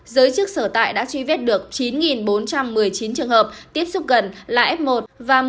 giới chức sở tại đã truy vết được chín bốn trăm một mươi chín trường hợp tiếp xúc gần là f một và một mươi hai trăm năm mươi bốn